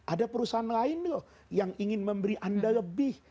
ada perusahaan lain loh yang ingin memberi anda lebih